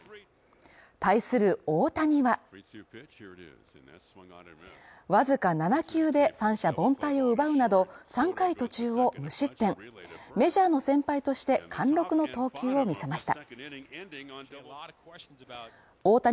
対する大谷はわずか７球で３者凡退を奪うなど３回途中を無失点メジャーの先輩として貫禄の投球を見せました